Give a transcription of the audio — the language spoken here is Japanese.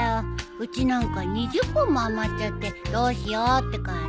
うちなんか２０本も余っちゃってどうしようって感じ。